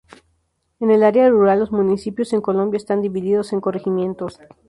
En el área rural los municipios en Colombia están divididos en corregimientos.